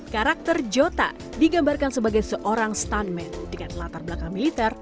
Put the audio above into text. karakter jota digambarkan sebagai seorang stuntman dengan latar belakang militer